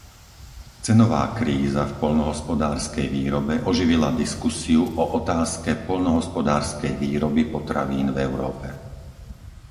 Cenová kríza v poľnohospodárskej výrobe oživila diskusiu o otázke poľnohospodárskej výroby potravín v Európe.